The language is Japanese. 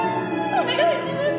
お願いします！